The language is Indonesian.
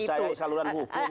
ini tidak percaya saluran hukum